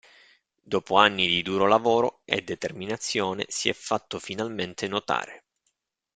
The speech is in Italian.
Dopo anni di duro lavoro e determinazione, si è fatto finalmente notare.